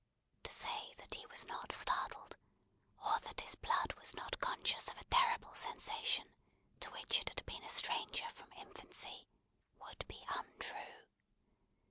To say that he was not startled, or that his blood was not conscious of a terrible sensation to which it had been a stranger from infancy, would be untrue.